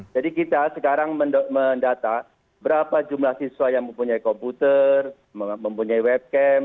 jadi kita sekarang mendata berapa jumlah siswa yang mempunyai komputer mempunyai webcam